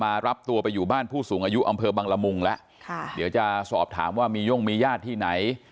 รับตัวไปอยู่บ้านผู้สูงอายุอำเภอบังละมุงแล้วค่ะเดี๋ยวจะสอบถามว่ามีย่งมีญาติที่ไหน